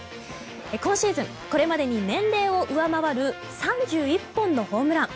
今シーズン、これまでに年齢を上回る３１本のホームラン。